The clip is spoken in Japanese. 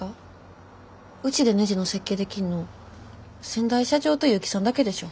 うちでねじの設計できんの先代社長と結城さんだけでしょ？